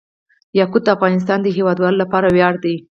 یاقوت د افغانستان د هیوادوالو لپاره ویاړ دی.